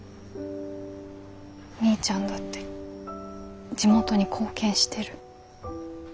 みーちゃんだって地元に貢献してる。